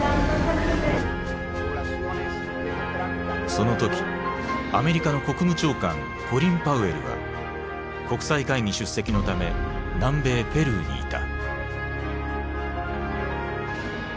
その時アメリカの国務長官コリン・パウエルは国際会議出席のため南米ペルーにいた。